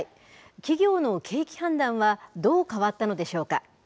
企業の景気判断はどう変わったのでしょうか。